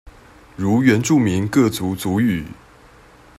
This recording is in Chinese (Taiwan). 如原住民各族族語